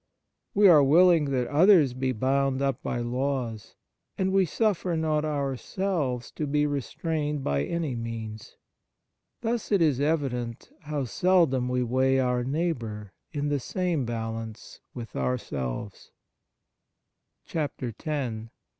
We are willing that others be bound up by laws, and we suffer not ourselves to be restrained by any means. Thus it is evident how seldom we weigh our neighbour in the same balance with ourselves "(" Imitation," i. 1 6).